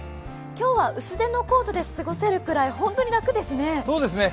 今日は薄手のコートで過ごせるくらい、ホントに楽ですね。